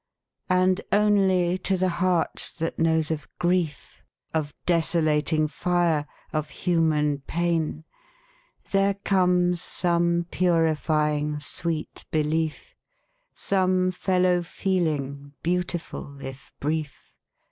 And only to the heart that knows of grief, Of desolating fire, of human pain, There comes some purifying sweet belief, Some fellow feeling beautiful, if brief.